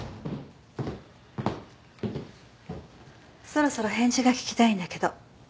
・そろそろ返事が聞きたいんだけど。